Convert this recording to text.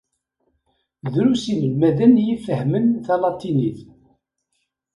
Drus inelmaden i ifehhmen talatinit.